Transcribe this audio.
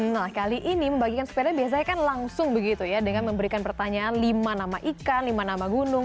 nah kali ini membagikan sepeda biasanya kan langsung begitu ya dengan memberikan pertanyaan lima nama ikan lima nama gunung